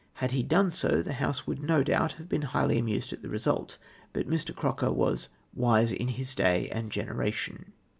Had he done so, the House would, no doubt, have been highly amused at the result. But Mr. Croker was " wise in his day and generation."